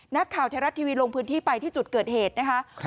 นักข่าวไทยรัฐทีวีลงพื้นที่ไปที่จุดเกิดเหตุนะคะ